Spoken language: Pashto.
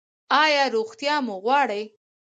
ایا روغتیا مو غواړئ؟